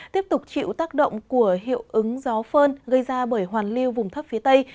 tiếp tục chịu tác động của hiệu ứng gió phơn gây ra bởi hoàn lưu vùng thấp phía tây